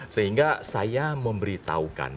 sehingga saya memberitahukan